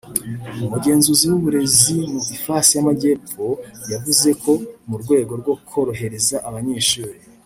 Umugenzuzi w’uburezi mu ifasi y’Amajyepfo yavuze ko mu rwego rwo korohereza abanyeshuri